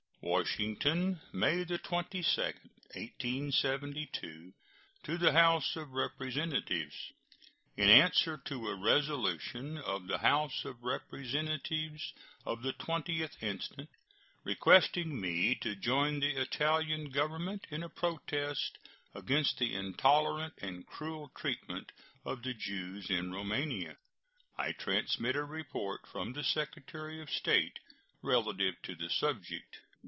WASHINGTON, May 22, 1872. To the House of Representatives: In answer to a resolution of the House of Representatives of the 20th instant, requesting me to join the Italian Government in a protest against the intolerant and cruel treatment of the Jews in Roumania, I transmit a report from the Secretary of State relative to the subject.